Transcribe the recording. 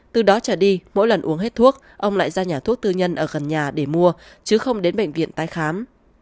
từ đó trở đi mỗi lần uống hết thuốc ông lại ra nhà thuốc tư nhân ở gần nhà để mua chứ không đến bệnh viện tái khám